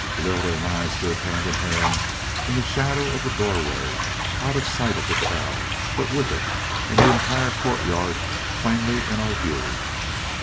Lylda and I stood hand in hand in the shadow of the doorway, out of sight of the crowd, but with it and the entire courtyard plainly in our view.